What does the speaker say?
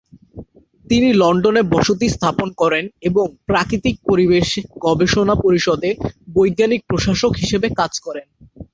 তিনি লন্ডনে বসতি স্থাপন করেন এবং প্রাকৃতিক পরিবেশ গবেষণা পরিষদে বৈজ্ঞানিক প্রশাসক হিসেবে কাজ করেন।